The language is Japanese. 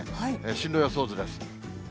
進路予想図です。